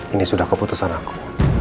ini sudah keputusan aku